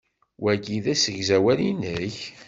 Wagi d asegzawal-nnek?